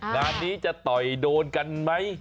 งานนี้จะต่อยโดนกันไหม